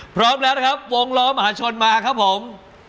พร้อมแล้วนะครับวงล้อมหาชนมาครับผม